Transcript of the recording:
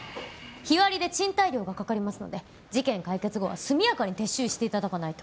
日割りで賃貸料がかかりますので事件解決後は速やかに撤収していただかないと。